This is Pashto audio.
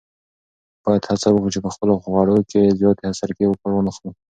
باید هڅه وکړو چې په خپلو خوړو کې له زیاتې سرکې کار وانخلو.